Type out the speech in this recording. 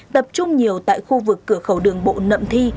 tập trung nhiều tại khu vực cửa khẩu đường bộ nậm thi